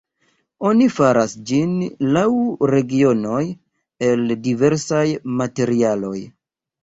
Oni faras ĝin laŭ regionoj el diversaj materialoj.